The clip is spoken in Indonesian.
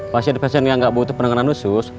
pasien pasien yang gak butuh penanganan usus